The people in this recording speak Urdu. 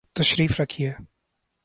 تشریف رکھئے